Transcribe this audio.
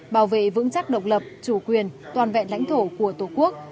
bảo vệ vững chắc độc lập chủ quyền toàn vẹn lãnh thổ của tổ quốc